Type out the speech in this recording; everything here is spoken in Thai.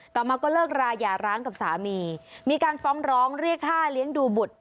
ต่อมาก็เลิกราอย่าร้างกับสามีมีการฟ้องร้องเรียกค่าเลี้ยงดูบุตร